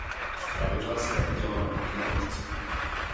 Zpravidla se tak dělo na pokyn otce.